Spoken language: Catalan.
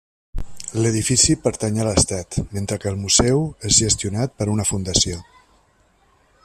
L'edifici pertany a l'estat, mentre que el museu és gestionat per una fundació.